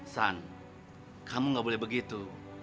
san kamu gak boleh begitu